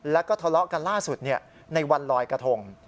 แล้วก็ทะเลาะกันล่าสุดในวันลอยกระทง